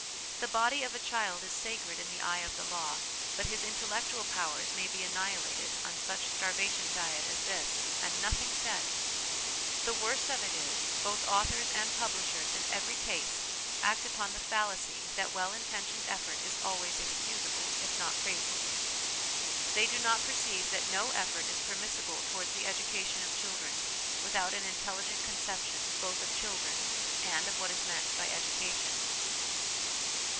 The body of a child is sacred in the eye of the law, but his intellectual powers may be annihilated on such starvation diet as this, and LESSONS AS INSTRUMENTS OF EDUCATION 247 nothing said ! The worst of it is, both authors and publishers in every case act upon the fallacy that well intentioned effort is always excusable, if not praiseworthy. They do not perceive that no effort is permissible towards the education of children without an intelligent conception, both of children, and of what is meant by education.